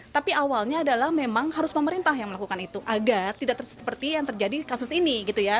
tapi awalnya adalah memang harus pemerintah yang melakukan itu agar tidak seperti yang terjadi kasus ini gitu ya